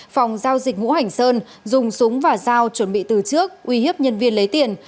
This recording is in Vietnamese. phòng giao dịch ngũ hành sơn dùng súng và dao chuẩn bị từ trước uy hiếp nhân viên lấy tiền